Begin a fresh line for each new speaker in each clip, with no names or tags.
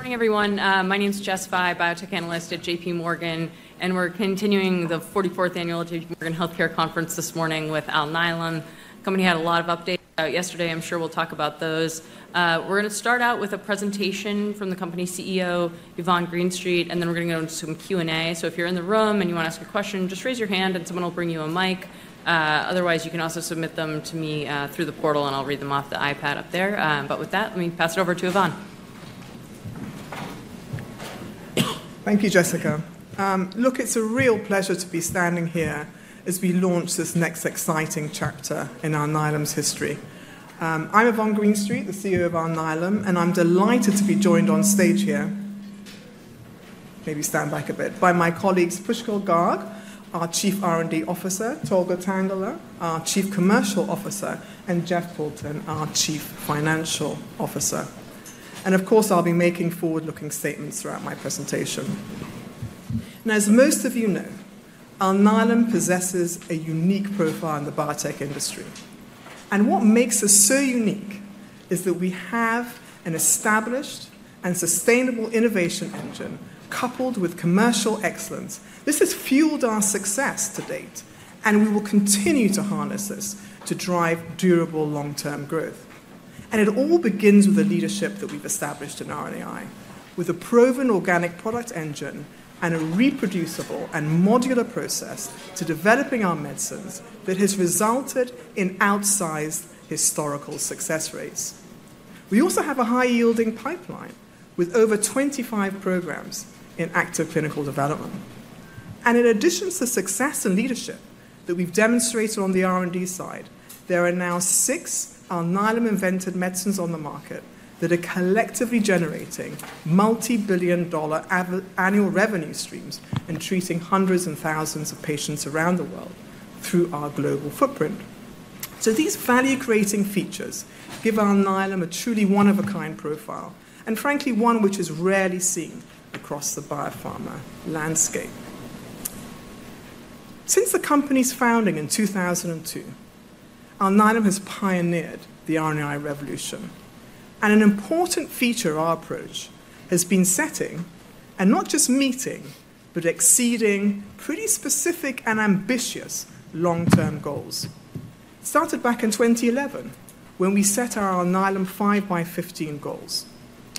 Good morning, everyone. My name's Jess Fye, biotech analyst at JPMorgan, and we're continuing the 44th annual JPMorgan Healthcare Conference this morning with Alnylam. The company had a lot of updates yesterday. I'm sure we'll talk about those. We're going to start out with a presentation from the company CEO, Yvonne Greenstreet, and then we're going to go into some Q&A. So if you're in the room and you want to ask a question, just raise your hand and someone will bring you a mic. Otherwise, you can also submit them to me through the portal, and I'll read them off the iPad up there. But with that, let me pass it over to Yvonne.
Thank you, Jessica. Look, it's a real pleasure to be standing here as we launch this next exciting chapter in Alnylam's history. I'm Yvonne Greenstreet, the CEO of Alnylam, and I'm delighted to be joined on stage here, maybe stand back a bit, by my colleagues Pushkal Garg, our Chief R&D Officer, Tolga Tanguler, our Chief Commercial Officer, and Jeff Poulton, our Chief Financial Officer. And of course, I'll be making forward-looking statements throughout my presentation. Now, as most of you know, Alnylam possesses a unique profile in the biotech industry. And what makes us so unique is that we have an established and sustainable innovation engine coupled with commercial excellence. This has fueled our success to date, and we will continue to harness this to drive durable long-term growth. It all begins with the leadership that we've established in RNAi, with a proven organic product engine and a reproducible and modular process to developing our medicines that has resulted in outsized historical success rates. We also have a high-yielding pipeline with over 25 programs in active clinical development. In addition to success and leadership that we've demonstrated on the R&D side, there are now six Alnylam-invented medicines on the market that are collectively generating multi-billion dollar annual revenue streams and treating hundreds and thousands of patients around the world through our global footprint. These value-creating features give Alnylam a truly one-of-a-kind profile, and frankly, one which is rarely seen across the biopharma landscape. Since the company's founding in 2002, Alnylam has pioneered the RNAi revolution, and an important feature of our approach has been setting, and not just meeting, but exceeding, pretty specific and ambitious long-term goals. It started back in 2011 when we set our Alnylam 5x15 goals,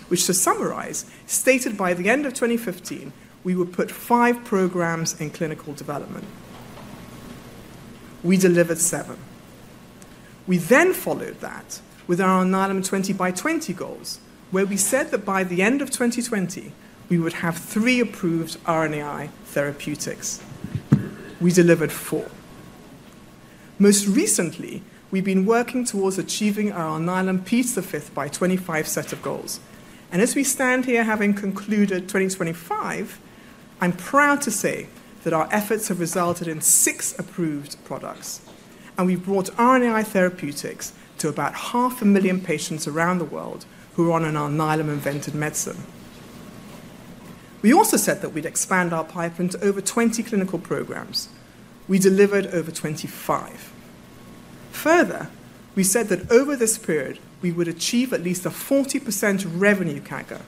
which, to summarize, stated by the end of 2015, we would put five programs in clinical development. We delivered seven. We then followed that with our Alnylam 20x20 goals, where we said that by the end of 2020, we would have three approved RNAi therapeutics. We delivered four. Most recently, we've been working towards achieving our Alnylam P5x25 set of goals. As we stand here having concluded 2025, I'm proud to say that our efforts have resulted in six approved products, and we've brought RNAi therapeutics to about 500,000 patients around the world who are on an Alnylam-invented medicine. We also said that we'd expand our pipeline to over 20 clinical programs. We delivered over 25. Further, we said that over this period, we would achieve at least a 40% revenue CAGR,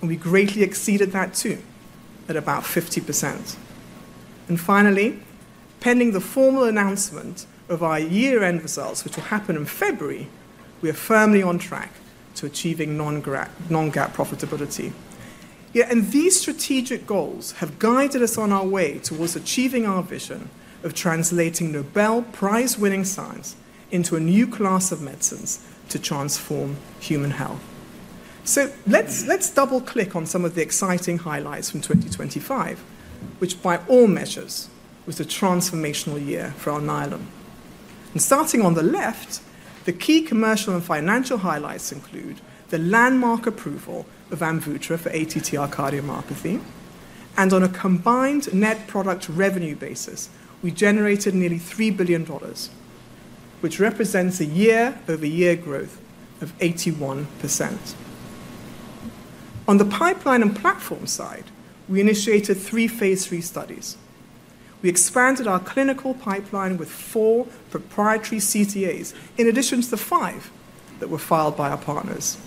and we greatly exceeded that too, at about 50%. Finally, pending the formal announcement of our year-end results, which will happen in February, we are firmly on track to achieving non-GAAP profitability. These strategic goals have guided us on our way towards achieving our vision of translating Nobel Prize-winning science into a new class of medicines to transform human health. Let's double-click on some of the exciting highlights from 2025, which by all measures was a transformational year for Alnylam. Starting on the left, the key commercial and financial highlights include the landmark approval of Amvuttra for ATTR cardiomyopathy. On a combined net product revenue basis, we generated nearly $3 billion, which represents a year-over-year growth of 81%. On the pipeline and platform side, we initiated three phase III studies. We expanded our clinical pipeline with four proprietary CTAs, in addition to the five that were filed by our partners.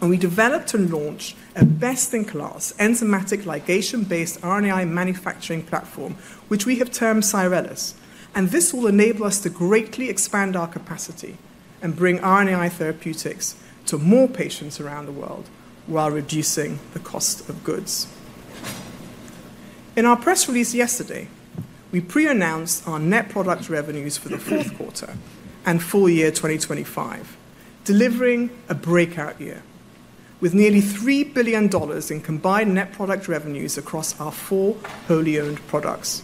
We developed and launched a best-in-class enzymatic ligation-based RNAi manufacturing platform, which we have termed Cyrellus. This will enable us to greatly expand our capacity and bring RNAi therapeutics to more patients around the world while reducing the cost of goods. In our press release yesterday, we pre-announced our net product revenues for the fourth quarter and full year 2025, delivering a breakout year with nearly $3 billion in combined net product revenues across our four wholly owned products.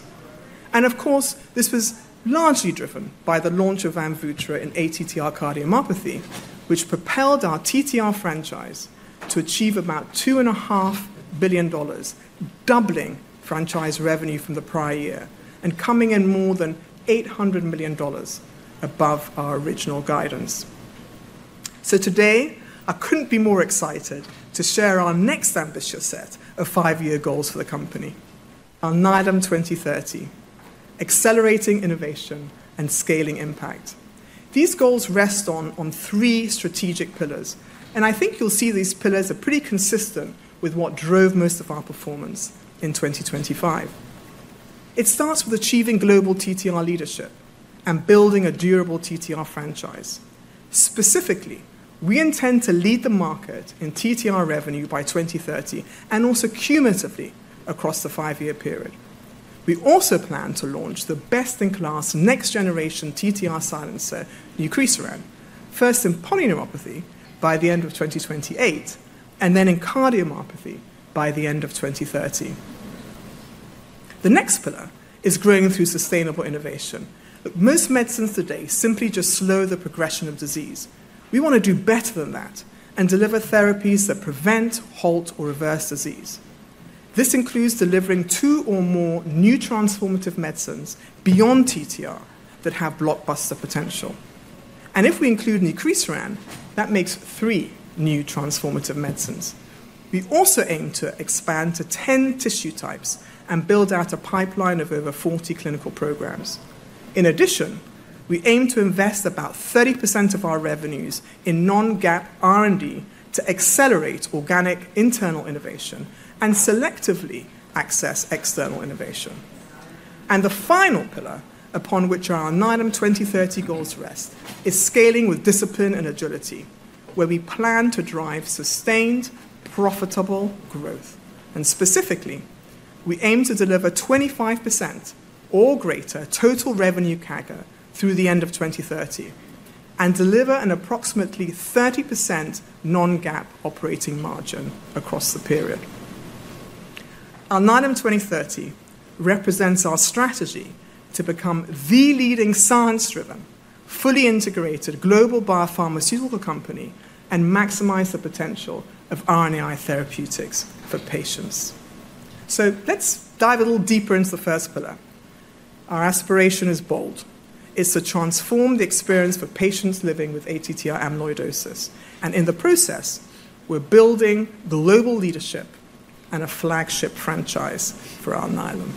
And of course, this was largely driven by the launch of Amvuttra in ATTR cardiomyopathy, which propelled our TTR franchise to achieve about $2.5 billion, doubling franchise revenue from the prior year and coming in more than $800 million above our original guidance. So today, I couldn't be more excited to share our next ambitious set of five-year goals for the company: Alnylam 2030, accelerating innovation and scaling impact. These goals rest on three strategic pillars, and I think you'll see these pillars are pretty consistent with what drove most of our performance in 2025. It starts with achieving global TTR leadership and building a durable TTR franchise. Specifically, we intend to lead the market in TTR revenue by 2030 and also cumulatively across the five-year period. We also plan to launch the best-in-class next-generation TTR silencer, Nucresiran, first in polyneuropathy by the end of 2028 and then in cardiomyopathy by the end of 2030. The next pillar is growing through sustainable innovation. Most medicines today simply just slow the progression of disease. We want to do better than that and deliver therapies that prevent, halt, or reverse disease. This includes delivering two or more new transformative medicines beyond TTR that have blockbuster potential. And if we include Nucresiran, that makes three new transformative medicines. We also aim to expand to 10 tissue types and build out a pipeline of over 40 clinical programs. In addition, we aim to invest about 30% of our revenues in non-GAAP R&D to accelerate organic internal innovation and selectively access external innovation. And the final pillar upon which our Alnylam 2030 goals rest is scaling with discipline and agility, where we plan to drive sustained, profitable growth. And specifically, we aim to deliver 25% or greater total revenue CAGR through the end of 2030 and deliver an approximately 30% Non-GAAP operating margin across the period. Alnylam 2030 represents our strategy to become the leading science-driven, fully integrated global biopharmaceutical company and maximize the potential of RNAi therapeutics for patients. So let's dive a little deeper into the first pillar. Our aspiration is bold. It's to transform the experience for patients living with ATTR amyloidosis. And in the process, we're building global leadership and a flagship franchise for Alnylam.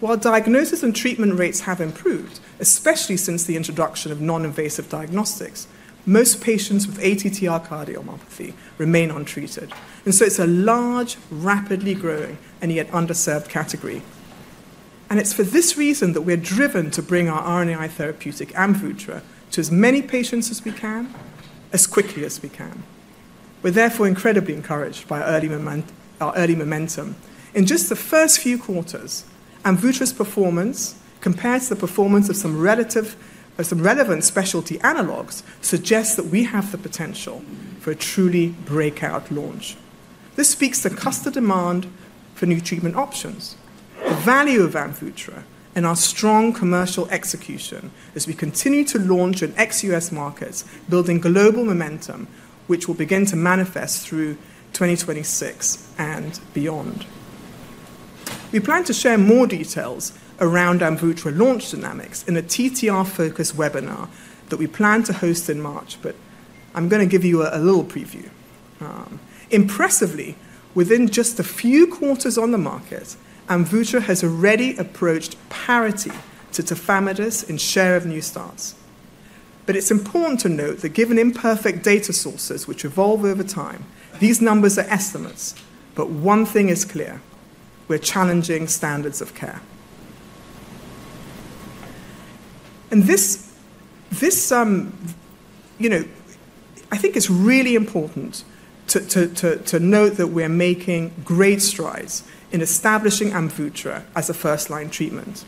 While diagnosis and treatment rates have improved, especially since the introduction of non-invasive diagnostics, most patients with ATTR cardiomyopathy remain untreated. And so it's a large, rapidly growing, and yet underserved category. And it's for this reason that we're driven to bring our RNAi therapeutic Amvuttra to as many patients as we can, as quickly as we can. We're therefore incredibly encouraged by our early momentum. In just the first few quarters, Amvuttra's performance compared to the performance of some relevant specialty analogues suggests that we have the potential for a truly breakout launch. This speaks to customer demand for new treatment options. The value of Amvuttra and our strong commercial execution as we continue to launch in ex-U.S. markets, building global momentum, which will begin to manifest through 2026 and beyond. We plan to share more details around Amvuttra launch dynamics in a TTR-focused webinar that we plan to host in March, but I'm going to give you a little preview. Impressively, within just a few quarters on the market, Amvuttra has already approached parity to tafamidis in share of new starts. But it's important to note that given imperfect data sources which evolve over time, these numbers are estimates. But one thing is clear: we're challenging standards of care. And this, I think, is really important to note that we're making great strides in establishing Amvuttra as a first-line treatment.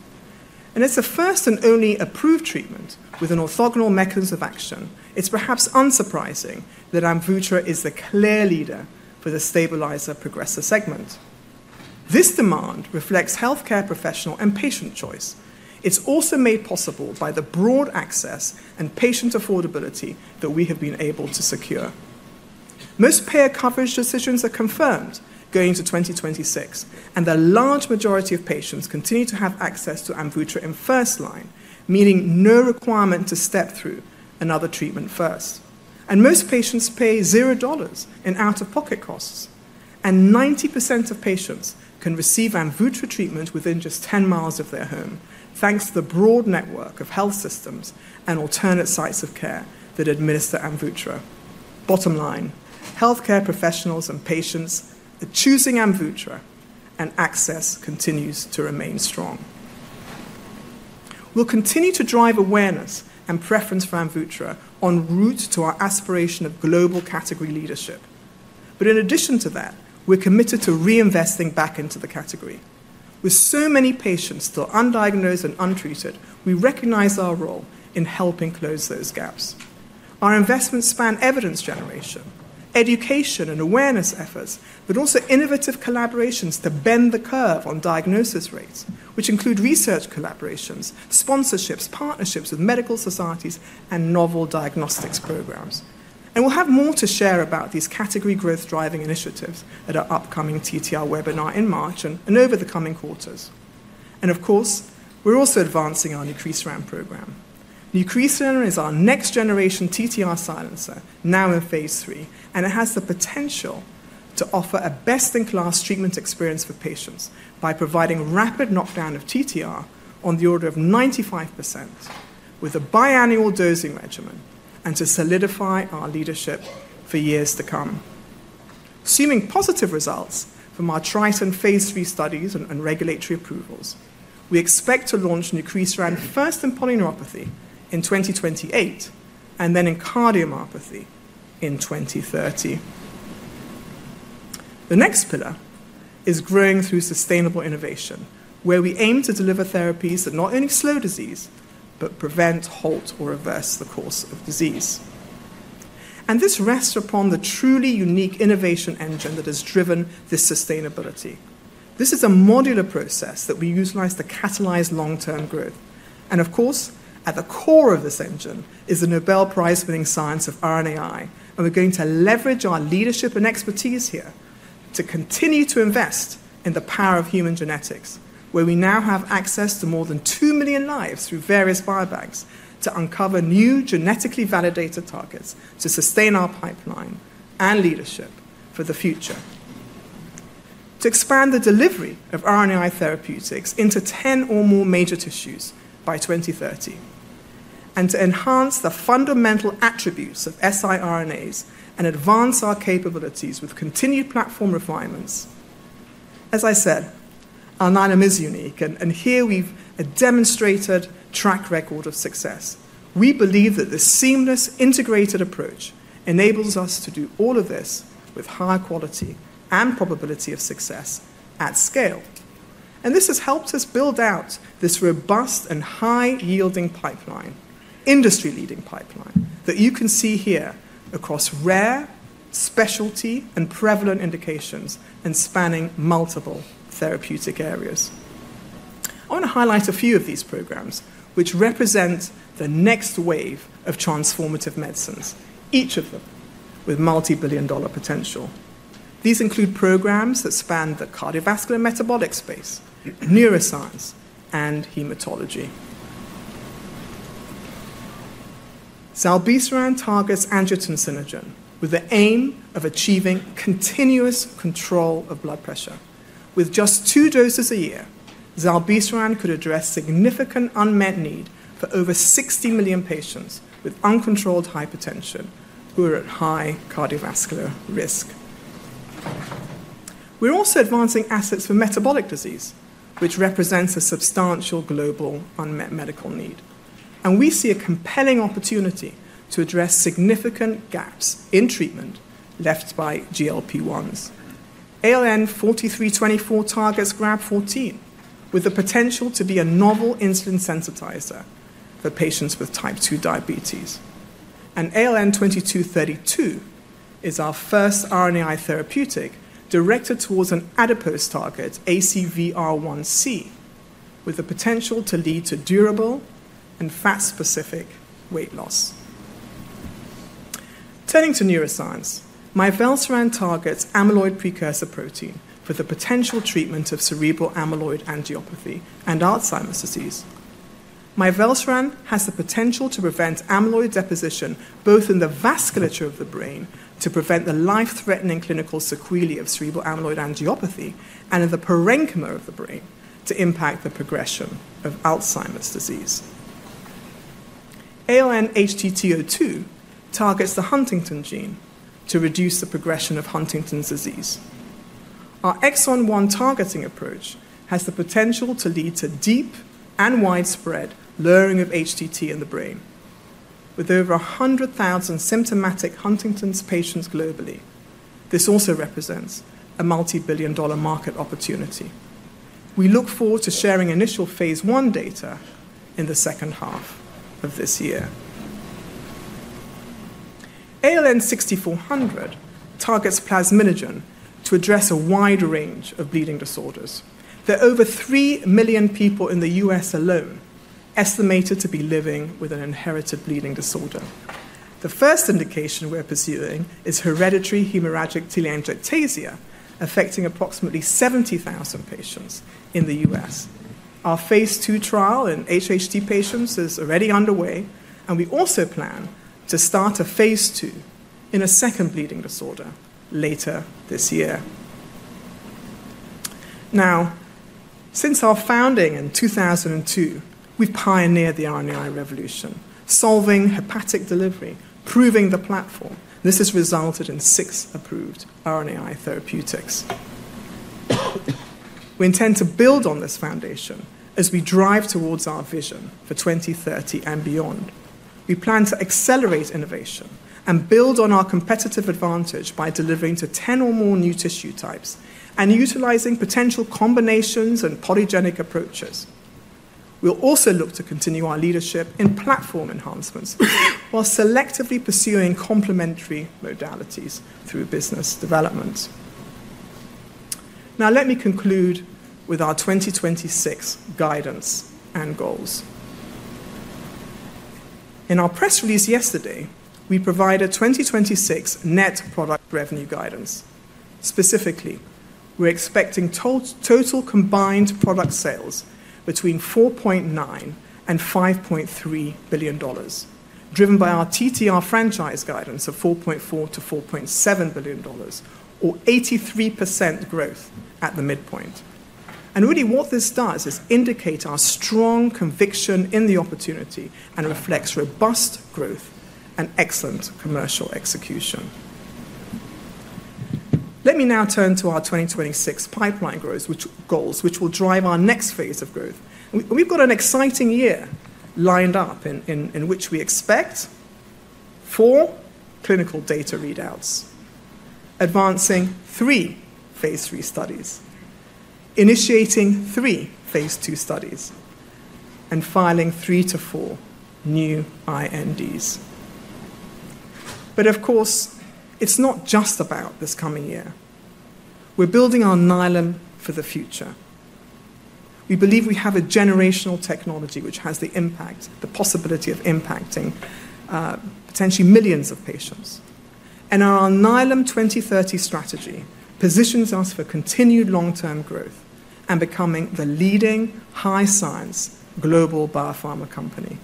And as the first and only approved treatment with an orthogonal mechanism of action, it's perhaps unsurprising that Amvuttra is the clear leader for the stabilizer progressor segment. This demand reflects healthcare professional and patient choice. It's also made possible by the broad access and patient affordability that we have been able to secure. Most payer coverage decisions are confirmed going into 2026, and the large majority of patients continue to have access to Amvuttra in first line, meaning no requirement to step through another treatment first, and most patients pay $0 in out-of-pocket costs, and 90% of patients can receive Amvuttra treatment within just 10 miles of their home, thanks to the broad network of health systems and alternate sites of care that administer Amvuttra. Bottom line, healthcare professionals and patients are choosing Amvuttra, and access continues to remain strong. We'll continue to drive awareness and preference for Amvuttra en route to our aspiration of global category leadership, but in addition to that, we're committed to reinvesting back into the category. With so many patients still undiagnosed and untreated, we recognize our role in helping close those gaps. Our investments span evidence generation, education and awareness efforts, but also innovative collaborations to bend the curve on diagnosis rates, which include research collaborations, sponsorships, partnerships with medical societies, and novel diagnostics programs, and we'll have more to share about these category growth-driving initiatives at our upcoming TTR webinar in March and over the coming quarters, and of course, we're also advancing our Nucresiran program. Nucresiran is our next-generation TTR silencer, now in phase III, and it has the potential to offer a best-in-class treatment experience for patients by providing rapid knockdown of TTR on the order of 95% with a biannual dosing regimen and to solidify our leadership for years to come. Assuming positive results from our TRITON phase III studies and regulatory approvals, we expect to launch Nucresiran first in polyneuropathy in 2028 and then in cardiomyopathy in 2030. The next pillar is growing through sustainable innovation, where we aim to deliver therapies that not only slow disease but prevent, halt, or reverse the course of disease, and this rests upon the truly unique innovation engine that has driven this sustainability. This is a modular process that we utilize to catalyze long-term growth, and of course, at the core of this engine is the Nobel Prize-winning science of RNAi, and we're going to leverage our leadership and expertise here to continue to invest in the power of human genetics, where we now have access to more than two million lives through various biobanks to uncover new genetically validated targets to sustain our pipeline and leadership for the future, to expand the delivery of RNAi therapeutics into 10 or more major tissues by 2030, and to enhance the fundamental attributes of siRNAs and advance our capabilities with continued platform refinements. As I said, Alnylam is unique, and here we've a demonstrated track record of success. We believe that this seamless integrated approach enables us to do all of this with high quality and probability of success at scale. And this has helped us build out this robust and high-yielding pipeline, industry-leading pipeline that you can see here across rare, specialty, and prevalent indications and spanning multiple therapeutic areas. I want to highlight a few of these programs, which represent the next wave of transformative medicines, each of them with multi-billion-dollar potential. These include programs that span the cardiovascular metabolic space, neuroscience, and hematology. Zilebesiran targets angiotensinogen with the aim of achieving continuous control of blood pressure. With just two doses a year, Zilebesiran could address significant unmet need for over 60 million patients with uncontrolled hypertension who are at high cardiovascular risk. We're also advancing assets for metabolic disease, which represents a substantial global unmet medical need, and we see a compelling opportunity to address significant gaps in treatment left by GLP-1s. ALN-4324 targets Grb14, with the potential to be a novel insulin sensitizer for patients with type 2 diabetes, and ALN-2232 is our first RNAi therapeutic directed towards an adipose target, ACVR1C, with the potential to lead to durable and fat-specific weight loss. Turning to neuroscience, Mivelsiran targets amyloid precursor protein for the potential treatment of cerebral amyloid angiopathy and Alzheimer's disease. Mivelsiran has the potential to prevent amyloid deposition both in the vasculature of the brain to prevent the life-threatening clinical sequelae of cerebral amyloid angiopathy and in the parenchyma of the brain to impact the progression of Alzheimer's disease. ALN-HTT02 targets the Huntingtin gene to reduce the progression of Huntington's disease. Our Exon 1 targeting approach has the potential to lead to deep and widespread lowering of HTT in the brain. With over 100,000 symptomatic Huntington's patients globally, this also represents a multi-billion-dollar market opportunity. We look forward to sharing initial phase I data in the second half of this year. ALN-6400 targets plasminogen to address a wide range of bleeding disorders. There are over three million people in the U.S. alone estimated to be living with an inherited bleeding disorder. The first indication we're pursuing is hereditary hemorrhagic telangiectasia, affecting approximately 70,000 patients in the U.S. Our phase II trial in HHT patients is already underway, and we also plan to start a phase II in a second bleeding disorder later this year. Now, since our founding in 2002, we've pioneered the RNAi revolution, solving hepatic delivery, proving the platform. This has resulted in six approved RNAi therapeutics. We intend to build on this foundation as we drive towards our vision for 2030 and beyond. We plan to accelerate innovation and build on our competitive advantage by delivering to 10 or more new tissue types and utilizing potential combinations and polygenic approaches. We'll also look to continue our leadership in platform enhancements while selectively pursuing complementary modalities through business development. Now, let me conclude with our 2026 guidance and goals. In our press release yesterday, we provided 2026 net product revenue guidance. Specifically, we're expecting total combined product sales between $4.9 and $5.3 billion, driven by our TTR franchise guidance of $4.4-$4.7 billion, or 83% growth at the midpoint. And really, what this does is indicate our strong conviction in the opportunity and reflects robust growth and excellent commercial execution. Let me now turn to our 2026 pipeline goals, which will drive our next phase of growth. We've got an exciting year lined up in which we expect four clinical data readouts, advancing three phase three studies, initiating three phase two studies, and filing three to four new INDs. But of course, it's not just about this coming year. We're building our Alnylam for the future. We believe we have a generational technology which has the impact, the possibility of impacting potentially millions of patients. And our Alnylam 2030 strategy positions us for continued long-term growth and becoming the leading high-science global biopharma company.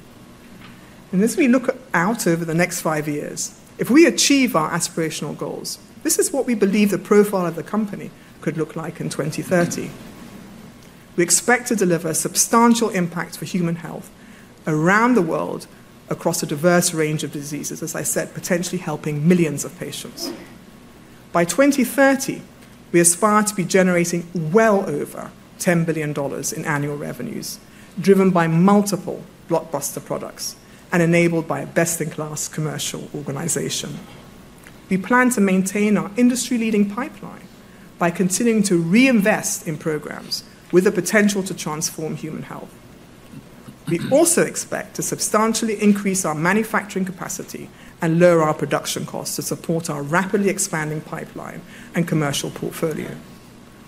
And as we look out over the next five years, if we achieve our aspirational goals, this is what we believe the profile of the company could look like in 2030. We expect to deliver substantial impact for human health around the world across a diverse range of diseases, as I said, potentially helping millions of patients. By 2030, we aspire to be generating well over $10 billion in annual revenues, driven by multiple blockbuster products and enabled by a best-in-class commercial organization. We plan to maintain our industry-leading pipeline by continuing to reinvest in programs with the potential to transform human health. We also expect to substantially increase our manufacturing capacity and lower our production costs to support our rapidly expanding pipeline and commercial portfolio.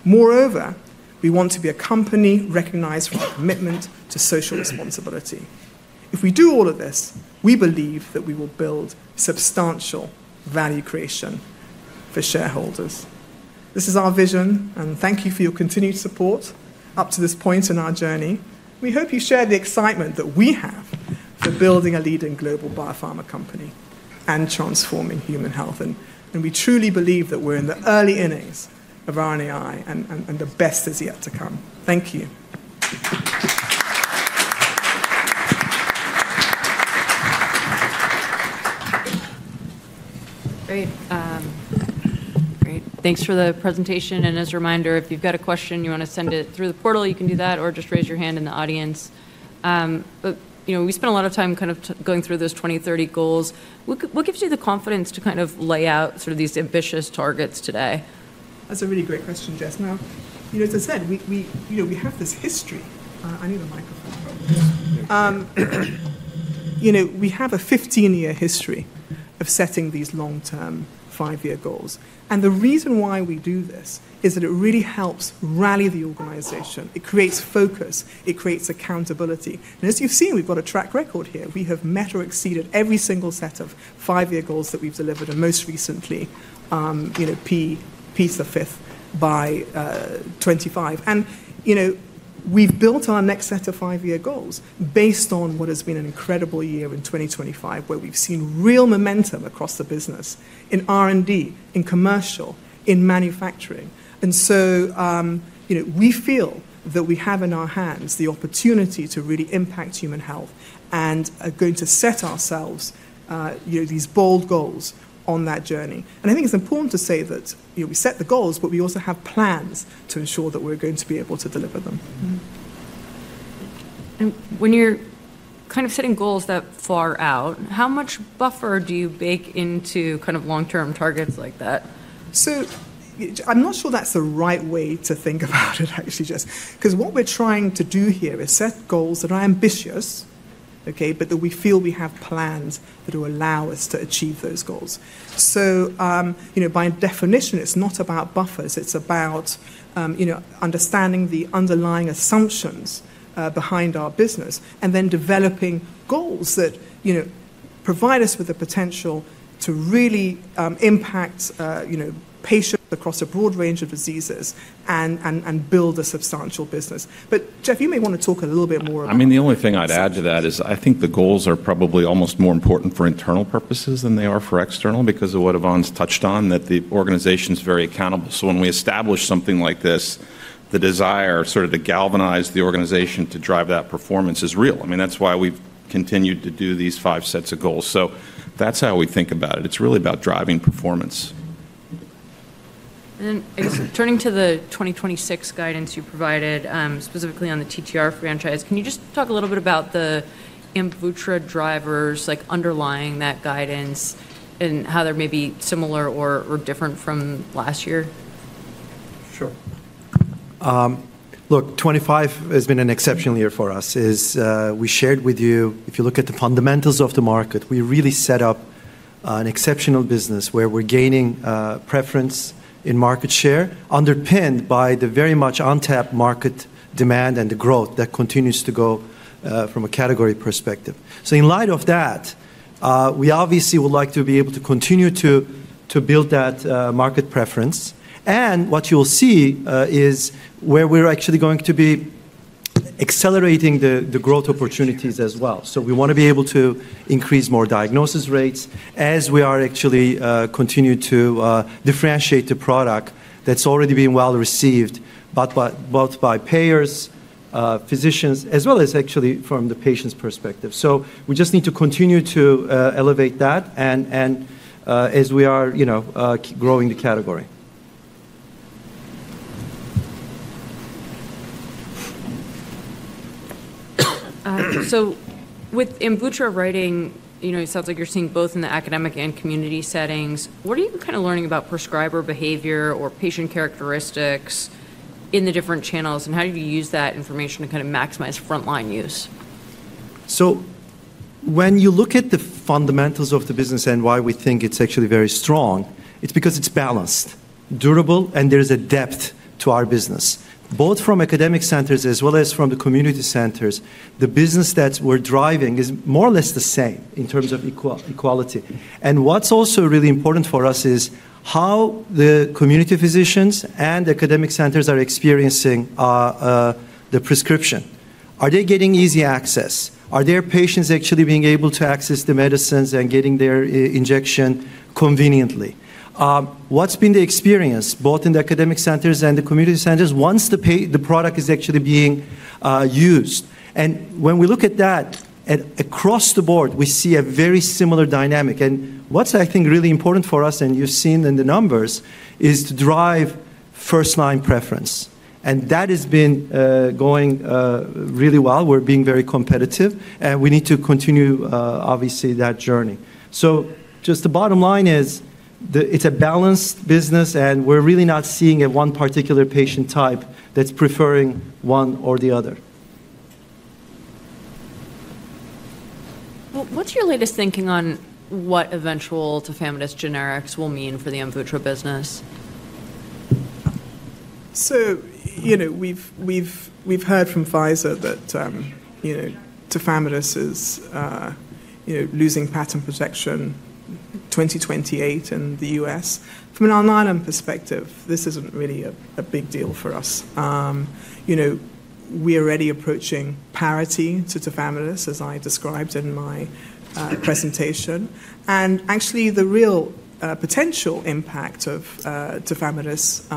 Moreover, we want to be a company recognized for our commitment to social responsibility. If we do all of this, we believe that we will build substantial value creation for shareholders. This is our vision, and thank you for your continued support up to this point in our journey. We hope you share the excitement that we have for building a leading global biopharma company and transforming human health. And we truly believe that we're in the early innings of RNAi and the best is yet to come. Thank you.
Great. Thanks for the presentation. And as a reminder, if you've got a question, you want to send it through the portal, you can do that, or just raise your hand in the audience. But we spent a lot of time kind of going through those 2030 goals. What gives you the confidence to kind of lay out sort of these ambitious targets today?
That's a really great question, Jess. Now, as I said, we have this history. I need a microphone. We have a 15-year history of setting these long-term five-year goals. And the reason why we do this is that it really helps rally the organization. It creates focus. It creates accountability. And as you've seen, we've got a track record here. We have met or exceeded every single set of five-year goals that we've delivered, and most recently, P5x25. And we've built our next set of five-year goals based on what has been an incredible year in 2025, where we've seen real momentum across the business, in R&D, in commercial, in manufacturing. And so we feel that we have in our hands the opportunity to really impact human health and are going to set ourselves these bold goals on that journey. I think it's important to say that we set the goals, but we also have plans to ensure that we're going to be able to deliver them.
When you're kind of setting goals that far out, how much buffer do you bake into kind of long-term targets like that?
So I'm not sure that's the right way to think about it, actually, Jess, because what we're trying to do here is set goals that are ambitious, but that we feel we have plans that will allow us to achieve those goals. So by definition, it's not about buffers. It's about understanding the underlying assumptions behind our business and then developing goals that provide us with the potential to really impact patients across a broad range of diseases and build a substantial business. But Jeff, you may want to talk a little bit more about.
I mean, the only thing I'd add to that is I think the goals are probably almost more important for internal purposes than they are for external because of what Yvonne's touched on, that the organization's very accountable. So when we establish something like this, the desire sort of to galvanize the organization to drive that performance is real. I mean, that's why we've continued to do these five sets of goals. So that's how we think about it. It's really about driving performance.
I guess turning to the 2026 guidance you provided specifically on the TTR franchise, can you just talk a little bit about the Amvuttra drivers underlying that guidance and how they may be similar or different from last year?
Sure. Look, 2025 has been an exceptional year for us. As we shared with you, if you look at the fundamentals of the market, we really set up an exceptional business where we're gaining preference in market share, underpinned by the very much untapped market demand and the growth that continues to go from a category perspective. So in light of that, we obviously would like to be able to continue to build that market preference. And what you'll see is where we're actually going to be accelerating the growth opportunities as well. So we want to be able to increase more diagnosis rates as we are actually continuing to differentiate the product that's already being well received both by payers, physicians, as well as actually from the patient's perspective. So we just need to continue to elevate that as we are growing the category.
So with Amvuttra right, it sounds like you're seeing both in the academic and community settings. What are you kind of learning about prescriber behavior or patient characteristics in the different channels, and how do you use that information to kind of maximize frontline use?
So when you look at the fundamentals of the business and why we think it's actually very strong, it's because it's balanced, durable, and there's a depth to our business. Both from academic centers as well as from the community centers, the business that we're driving is more or less the same in terms of equality. And what's also really important for us is how the community physicians and academic centers are experiencing the prescription. Are they getting easy access? Are their patients actually being able to access the medicines and getting their injection conveniently? What's been the experience both in the academic centers and the community centers once the product is actually being used? And when we look at that across the board, we see a very similar dynamic. And what's, I think, really important for us, and you've seen in the numbers, is to drive first-line preference. That has been going really well. We're being very competitive, and we need to continue, obviously, that journey. Just the bottom line is it's a balanced business, and we're really not seeing one particular patient type that's preferring one or the other.
What's your latest thinking on what eventual tafamidis generics will mean for the Amvuttra business?
We've heard from Pfizer that tafamidis is losing patent protection in 2028 in the U.S. From an Alnylam perspective, this isn't really a big deal for us. We are already approaching parity to tafamidis, as I described in my presentation. Actually, the real potential impact of tafamidis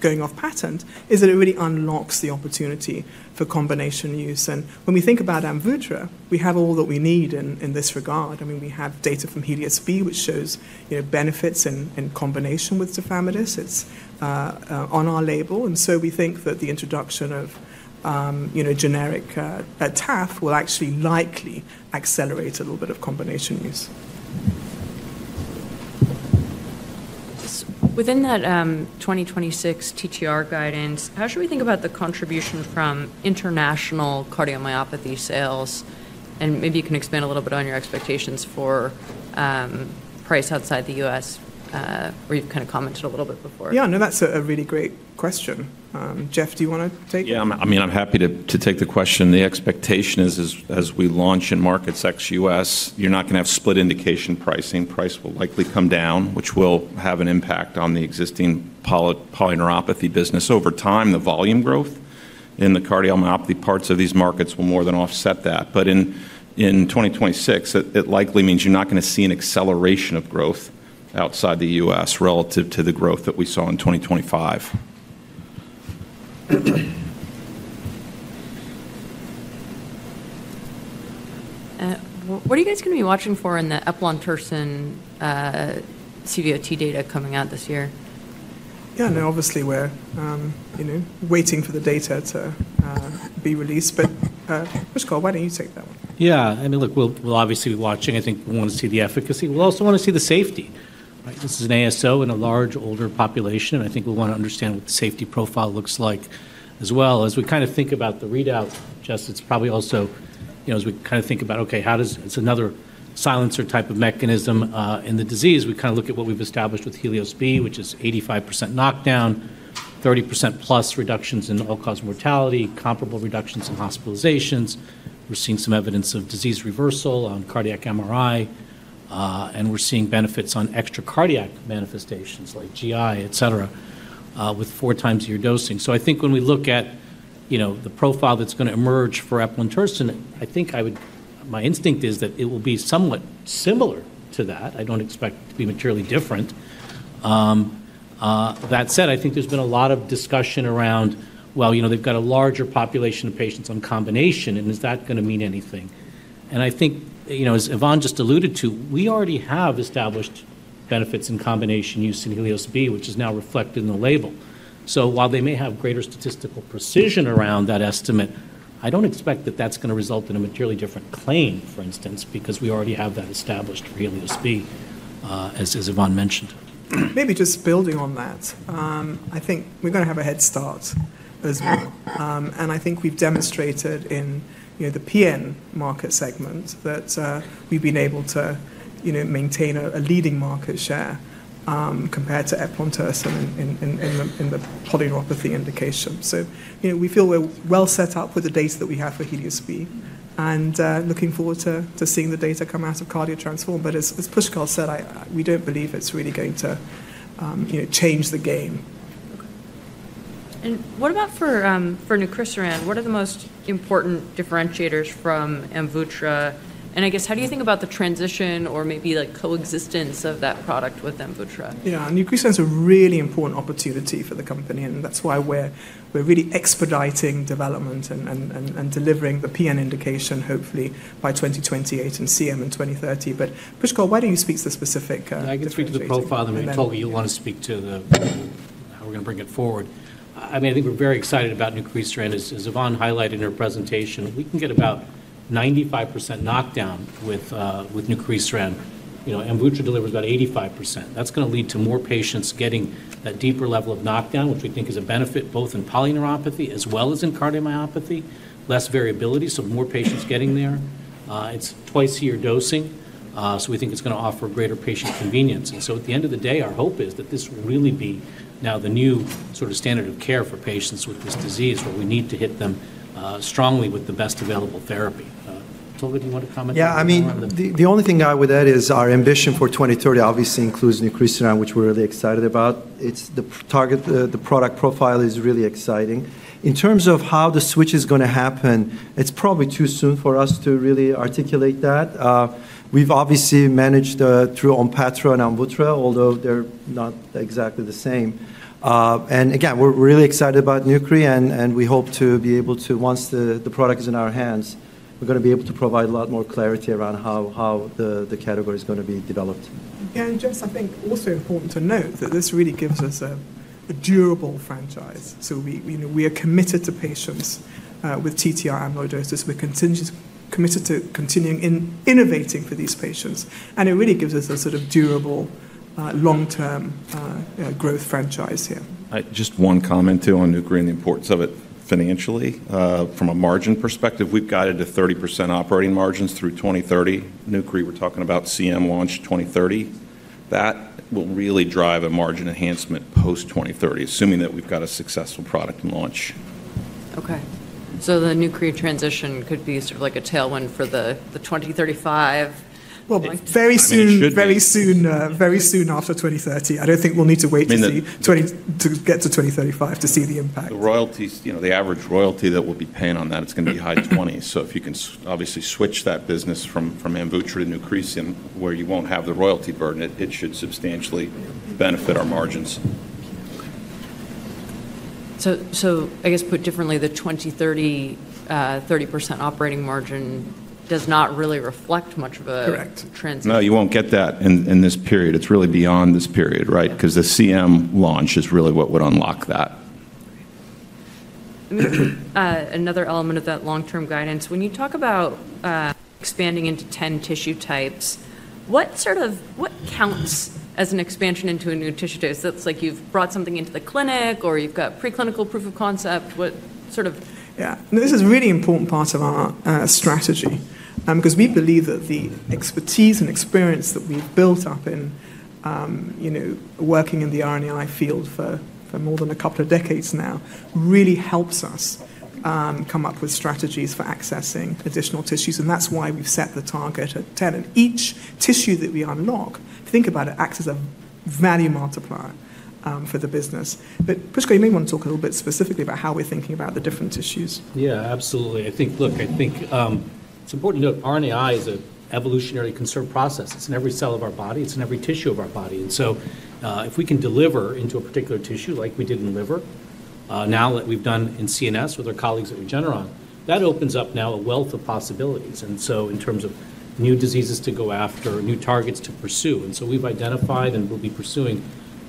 going off patent is that it really unlocks the opportunity for combination use. When we think about Amvuttra, we have all that we need in this regard. I mean, we have data from HELIOS-B, which shows benefits in combination with tafamidis. It's on our label. So we think that the introduction of generic TAF will actually likely accelerate a little bit of combination use.
Within that 2026 TTR guidance, how should we think about the contribution from international cardiomyopathy sales? And maybe you can expand a little bit on your expectations for price outside the U.S., where you've kind of commented a little bit before.
Yeah, no, that's a really great question. Jeff, do you want to take it?
Yeah, I mean, I'm happy to take the question. The expectation is, as we launch in markets ex-U.S., you're not going to have split indication pricing. Price will likely come down, which will have an impact on the existing polyneuropathy business. Over time, the volume growth in the cardiomyopathy parts of these markets will more than offset that. But in 2026, it likely means you're not going to see an acceleration of growth outside the U.S. relative to the growth that we saw in 2025.
What are you guys going to be watching for in the eplontersen CVOT data coming out this year?
Yeah, no, obviously, we're waiting for the data to be released. But Pushkal, why don't you take that one?
Yeah, I mean, look, we'll obviously be watching. I think we want to see the efficacy. We'll also want to see the safety. This is an ASO in a large, older population, and I think we want to understand what the safety profile looks like as well. As we kind of think about the readout, Jess, it's probably also as we kind of think about, okay, it's another silencer type of mechanism in the disease. We kind of look at what we've established with HELIOS-B, which is 85% knockdown, 30% plus reductions in all-cause mortality, comparable reductions in hospitalizations. We're seeing some evidence of disease reversal on cardiac MRI, and we're seeing benefits on extracardiac manifestations like GI, etc., with four times your dosing. So I think when we look at the profile that's going to emerge for eplontersen, I think my instinct is that it will be somewhat similar to that. I don't expect it to be materially different. That said, I think there's been a lot of discussion around, well, they've got a larger population of patients on combination, and is that going to mean anything? And I think, as Yvonne just alluded to, we already have established benefits in combination use in HELIOS-B, which is now reflected in the label. So while they may have greater statistical precision around that estimate, I don't expect that that's going to result in a materially different claim, for instance, because we already have that established for HELIOS-B, as Yvonne mentioned.
Maybe just building on that, I think we're going to have a head start as well. And I think we've demonstrated in the PN market segment that we've been able to maintain a leading market share compared to eplontersen in the polyneuropathy indication. So we feel we're well set up with the data that we have for HELIOS-B and looking forward to seeing the data come out of CardioTransform. But as Pushkal said, we don't believe it's really going to change the game.
What about for Nucresiran? What are the most important differentiators from Amvuttra? And I guess, how do you think about the transition or maybe coexistence of that product with Amvuttra?
Yeah, Nucresiran is a really important opportunity for the company, and that's why we're really expediting development and delivering the PN indication, hopefully, by 2028 and CM in 2030. But Pushkal, why don't you speak to the specific?
Yeah, I can speak to the profile of Amvuttra. We'll want to speak to how we're going to bring it forward. I mean, I think we're very excited about Nucresiran. As Yvonne highlighted in her presentation, we can get about 95% knockdown with Nucresiran. Amvuttra delivers about 85%. That's going to lead to more patients getting that deeper level of knockdown, which we think is a benefit both in polyneuropathy as well as in cardiomyopathy, less variability, so more patients getting there. It's twice a year dosing, so we think it's going to offer greater patient convenience. And so at the end of the day, our hope is that this will really be now the new sort of standard of care for patients with this disease where we need to hit them strongly with the best available therapy. Tolga, do you want to comment?
Yeah, I mean, the only thing I would add is our ambition for 2030 obviously includes Nucresiran, which we're really excited about. The product profile is really exciting. In terms of how the switch is going to happen, it's probably too soon for us to really articulate that. We've obviously managed through Onpattro and AMVUTTRA, although they're not exactly the same. And again, we're really excited about Nucresiran, and we hope to be able to, once the product is in our hands, we're going to be able to provide a lot more clarity around how the category is going to be developed.
Again, Jess, I think also important to note that this really gives us a durable franchise. We are committed to patients with TTR amyloidosis. We're committed to continuing innovating for these patients. It really gives us a sort of durable, long-term growth franchise here.
Just one comment too on Nucresiran and the importance of it financially. From a margin perspective, we've got it at 30% operating margins through 2030. Nucresiran, we're talking about CM launch 2030. That will really drive a margin enhancement post-2030, assuming that we've got a successful product launch.
Okay, so the Nucresiran transition could be sort of like a tailwind for the 2035?
Very soon after 2030. I don't think we'll need to wait to get to 2035 to see the impact.
The average royalty that we'll be paying on that, it's going to be high 20%. So if you can obviously switch that business from Amvuttra to Nucresiran, where you won't have the royalty burden, it should substantially benefit our margins.
So I guess put differently, the 2030 30% operating margin does not really reflect much of a transition.
Correct. No, you won't get that in this period. It's really beyond this period, right? Because the CM launch is really what would unlock that.
Another element of that long-term guidance, when you talk about expanding into 10 tissue types, what sort of counts as an expansion into a new tissue type? so it's like you've brought something into the clinic or you've got preclinical proof of concept. What sort of?
Yeah, this is a really important part of our strategy because we believe that the expertise and experience that we've built up in working in the RNAi field for more than a couple of decades now really helps us come up with strategies for accessing additional tissues. That's why we've set the target at 10. Each tissue that we unlock, think about it, acts as a value multiplier for the business. Pushkal, you may want to talk a little bit specifically about how we're thinking about the different tissues.
Yeah, absolutely. I think, look, I think it's important to note RNAi is an evolutionary conserved process. It's in every cell of our body. It's in every tissue of our body. And so if we can deliver into a particular tissue like we did in liver, now that we've done in CNS with our colleagues at Regeneron, that opens up now a wealth of possibilities. And so in terms of new diseases to go after, new targets to pursue. And so we've identified and we'll be pursuing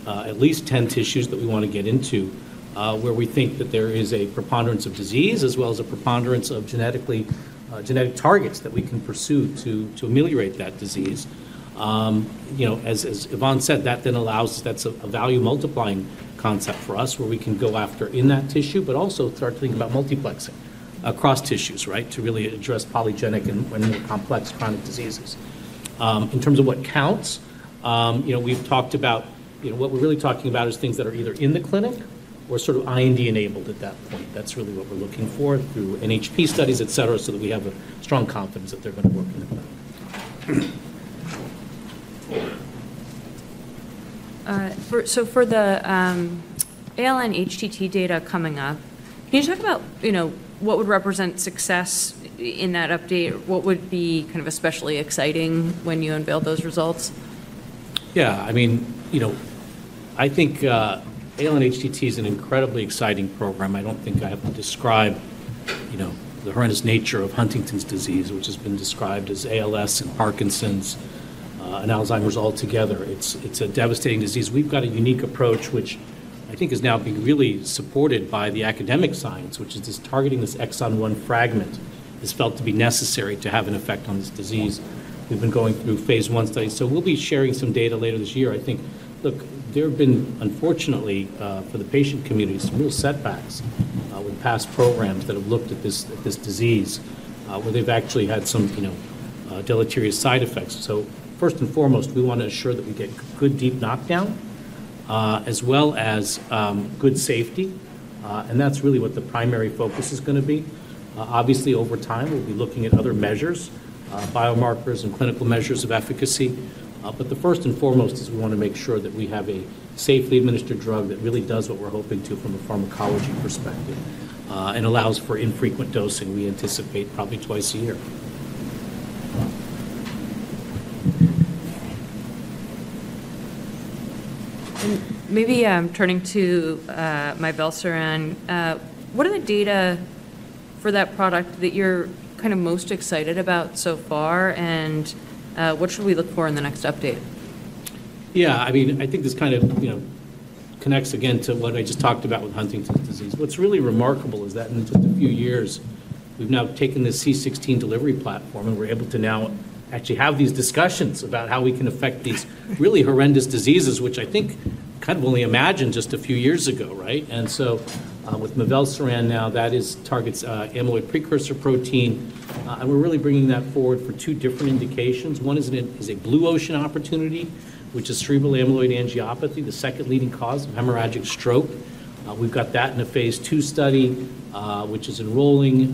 at least 10 tissues that we want to get into where we think that there is a preponderance of disease as well as a preponderance of genetic targets that we can pursue to ameliorate that disease. As Yvonne said, that then allows. That's a value multiplying concept for us where we can go after in that tissue, but also start to think about multiplexing across tissues, right, to really address polygenic and more complex chronic diseases. In terms of what counts, we've talked about what we're really talking about is things that are either in the clinic or sort of IND-enabled at that point. That's really what we're looking for through NHP studies, etc., so that we have a strong confidence that they're going to work in the clinic.
So for the ALN-HTT data coming up, can you talk about what would represent success in that update? What would be kind of especially exciting when you unveil those results?
Yeah, I mean, I think ALN HTT is an incredibly exciting program. I don't think I have to describe the horrendous nature of Huntington's disease, which has been described as ALS and Parkinson's and Alzheimer's altogether. It's a devastating disease. We've got a unique approach, which I think is now being really supported by the academic science, which is just targeting this exon one fragment is felt to be necessary to have an effect on this disease. We've been going through phase one studies. So we'll be sharing some data later this year. I think, look, there have been, unfortunately, for the patient community, some real setbacks with past programs that have looked at this disease where they've actually had some deleterious side effects. So first and foremost, we want to ensure that we get good deep knockdown as well as good safety. And that's really what the primary focus is going to be. Obviously, over time, we'll be looking at other measures, biomarkers, and clinical measures of efficacy. But the first and foremost is we want to make sure that we have a safely administered drug that really does what we're hoping to from a pharmacology perspective and allows for infrequent dosing. We anticipate probably twice a year.
Maybe turning to Mivelsiran, what are the data for that product that you're kind of most excited about so far, and what should we look for in the next update?
Yeah, I mean, I think this kind of connects again to what I just talked about with Huntington's disease. What's really remarkable is that in just a few years, we've now taken the C16 delivery platform, and we're able to now actually have these discussions about how we can affect these really horrendous diseases, which I think kind of only imagined just a few years ago, right? And so with mivelsiran now, that targets amyloid precursor protein. And we're really bringing that forward for two different indications. One is a blue ocean opportunity, which is cerebral amyloid angiopathy, the second leading cause of hemorrhagic stroke. We've got that in a phase II study, which is enrolling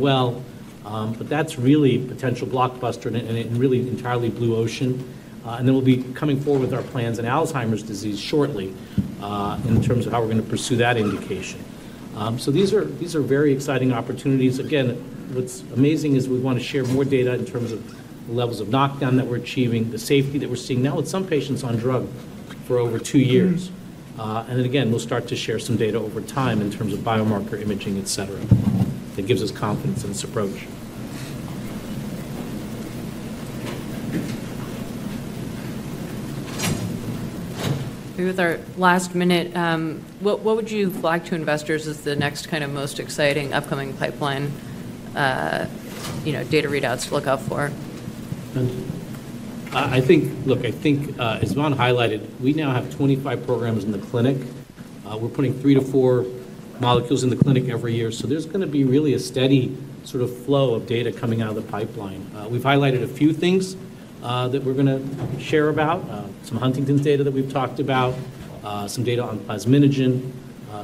well. But that's really potential blockbuster and really entirely blue ocean. And then we'll be coming forward with our plans in Alzheimer's disease shortly in terms of how we're going to pursue that indication. So these are very exciting opportunities. Again, what's amazing is we want to share more data in terms of the levels of knockdown that we're achieving, the safety that we're seeing now with some patients on drug for over two years. And again, we'll start to share some data over time in terms of biomarker imaging, etc., that gives us confidence in this approach.
With our last minute, what would you flag to investors as the next kind of most exciting upcoming pipeline data readouts to look out for?
I think, look, I think, as Yvonne highlighted, we now have 25 programs in the clinic. We're putting three to four molecules in the clinic every year. So there's going to be really a steady sort of flow of data coming out of the pipeline. We've highlighted a few things that we're going to share about, some Huntington's data that we've talked about, some data on plasminogen,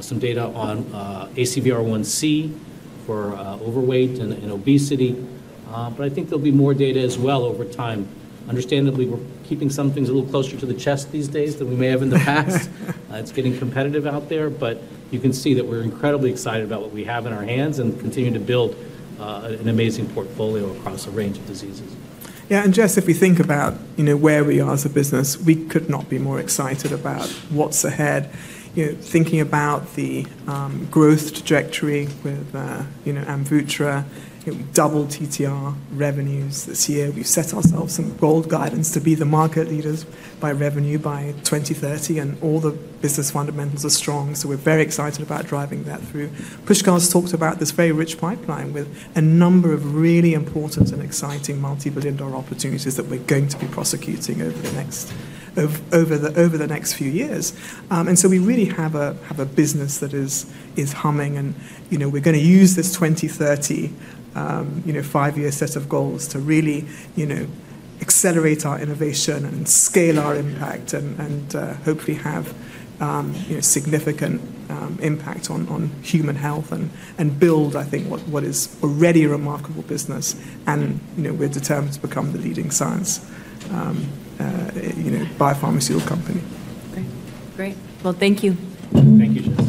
some data on ACVR1C for overweight and obesity. But I think there'll be more data as well over time. Understandably, we're keeping some things a little closer to the chest these days than we may have in the past. It's getting competitive out there. But you can see that we're incredibly excited about what we have in our hands and continue to build an amazing portfolio across a range of diseases.
Yeah. And Jess, if we think about where we are as a business, we could not be more excited about what's ahead. Thinking about the growth trajectory with Amvuttra, double TTR revenues this year, we've set ourselves some bold guidance to be the market leaders by revenue by 2030. And all the business fundamentals are strong. So we're very excited about driving that through. Pushkal has talked about this very rich pipeline with a number of really important and exciting multi-billion dollar opportunities that we're going to be prosecuting over the next few years. And so we really have a business that is humming. And we're going to use this 2030 five-year set of goals to really accelerate our innovation and scale our impact and hopefully have significant impact on human health and build, I think, what is already a remarkable business. We're determined to become the leading science biopharmaceutical company.
Great. Great. Well, thank you.
Thank you, Jess.